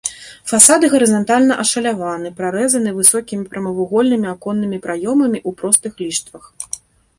Фасады гарызантальна ашаляваны, прарэзаны высокімі прамавугольнымі аконнымі праёмамі ў простых ліштвах.